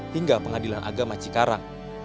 hingga pengadilan agama cikarang